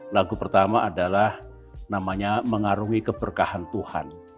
lagu pertama adalah namanya mengarungi keberkahan tuhan